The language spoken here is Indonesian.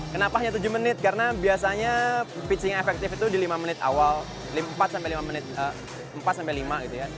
kenapa hanya tujuh menit karena biasanya pitching efektif itu di lima menit awal empat lima menit